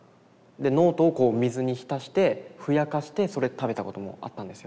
ノートを水に浸してふやかしてそれ食べたこともあったんですよ。